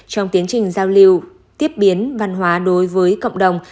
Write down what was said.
trong tiến trình giao lưu tiếp biến văn hóa đối với cộng đồng